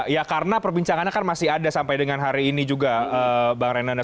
ya karena perbincangannya kan masih ada sampai dengan hari ini juga bang renanda